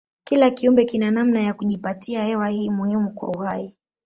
Kila kiumbe kina namna ya kujipatia hewa hii muhimu kwa uhai.